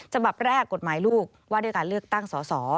ฉบับแรกกฎหมายลูกว่าด้วยการเลือกตั้งสอสอ